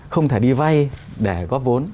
không thể đi vay để góp vốn